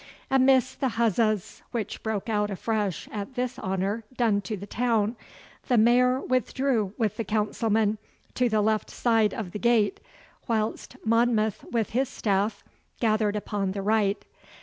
Amidst the huzzahs which broke out afresh at this honour done to the town, the Mayor withdrew with the councilmen to the left side of the gate, whilst Monmouth with his staff gathered upon the right.